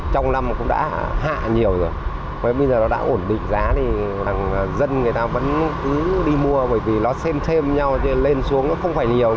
trong năm cũng đã hạ nhiều rồi bây giờ nó đã ổn định giá thì dân người ta vẫn cứ đi mua bởi vì nó xem thêm nhau lên xuống nó không phải nhiều